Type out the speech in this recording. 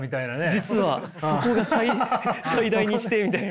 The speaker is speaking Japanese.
実はそこが最大にしてみたいな。